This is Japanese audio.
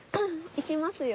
いきますよ。